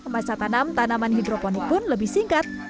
masa tanam tanaman hidroponik pun lebih singkat